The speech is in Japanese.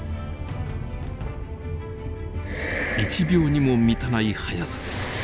１秒にも満たない速さです。